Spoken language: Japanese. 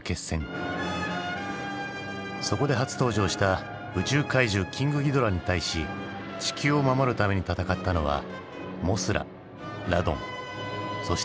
そこで初登場した宇宙怪獣キングギドラに対し地球を守るために戦ったのはモスララドンそしてあのゴジラだった。